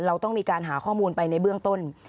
เราต้องมีการหาข้อมูลไปในเบื้องต้น